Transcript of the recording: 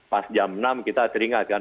pas jam enam kita teringatkan